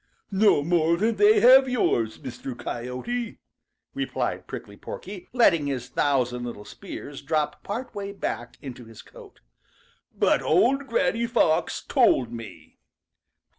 "No more than they have yours, Mr. Coyote," replied Prickly Porky, letting his thousand little spears drop part way back into his coat. "But old Granny Fox told me."